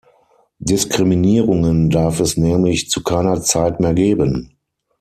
Diskriminierungen darf es nämlich zu keiner Zeit mehr geben.